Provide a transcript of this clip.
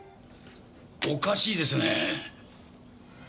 おかしいですねえ。